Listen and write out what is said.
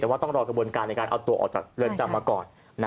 แต่ว่าต้องรอกระบวนการในการเอาตัวออกจากเรือนจำมาก่อน